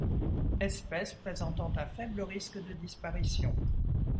Espèces présentant un faible risque de disparition.